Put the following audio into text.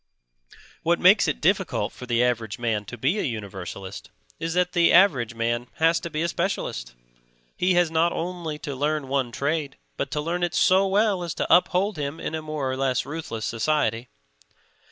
What makes it difficult for the average man to be a universalist is that the average man has to be a specialist; he has not only to learn one trade, but to learn it so well as to uphold him in a more or less ruthless society.